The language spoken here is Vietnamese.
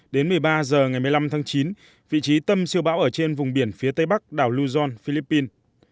đến một mươi ba h ngày một mươi năm tháng chín vị trí tâm siêu bão ở trên vùng biển phía tây bắc đảo luzon philippines